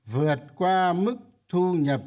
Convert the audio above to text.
vượt qua mức thu nhập